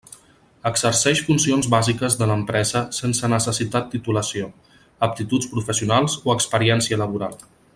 Exercix funcions bàsiques de l'empresa sense necessitat titulació, aptituds professionals o experiència laboral.